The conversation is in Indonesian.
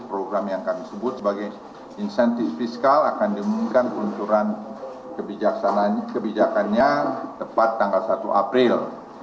program yang kami sebut sebagai insentif fiskal akan diumumkan peluncuran kebijakannya tepat tanggal satu april